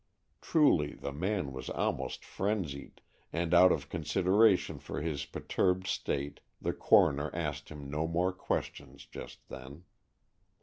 Truly, the man was almost frenzied, and out of consideration for his perturbed state, the coroner asked him no more questions just then.